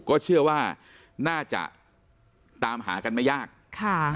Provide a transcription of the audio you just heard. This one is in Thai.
ก็เชื่อว่าน่าจะตามหากันไม่ยากค่ะ